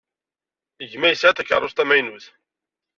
Gma yesɣa-d takeṛṛust tamaynut.